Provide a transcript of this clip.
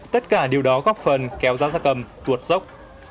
tất cả điều đó góp phần kéo giá da cầm tuột dốc